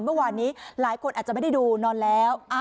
เมื่อวานนี้หลายคนอาจจะไม่ได้ดูนอนแล้ว